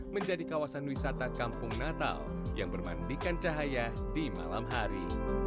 menjadi kawasan wisata kampung natal yang bermandikan cahaya di malam hari